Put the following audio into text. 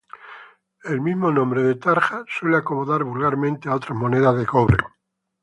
El mismo nombre de tarja suelen acomodar vulgarmente a otras monedas de cobre.